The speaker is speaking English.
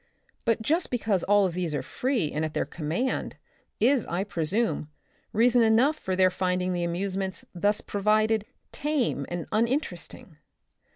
But just because all these are free and at their command, is, I presume, reason enough for their finding the amusements thus provided tame and uninteresting.